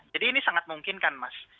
jadi ini sangat mungkin kan mas